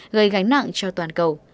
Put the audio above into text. gây gánh nặng cho toàn cầu